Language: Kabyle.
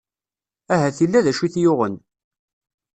Ahat illa d acu i t-yuɣen.